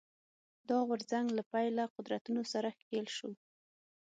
دا غورځنګ له پیله قدرتونو سره ښکېل شو